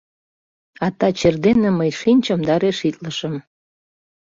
А таче эрдене мый шинчым да решитлышым.